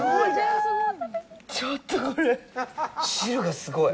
ちょっとこれ、汁がすごい。